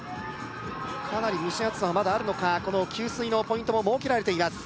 かなり蒸し暑さがまだあるのかこの給水のポイントも設けられています